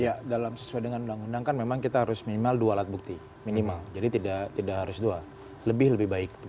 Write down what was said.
ya dalam sesuai dengan undang undang kan memang kita harus minimal dua alat bukti minimal jadi tidak harus dua lebih lebih baik